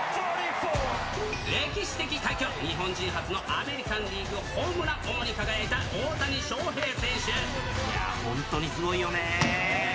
４歴史的快挙、日本人初のアメリカンリーグホームラン王に輝いた、いやー、本当にすごいよねー。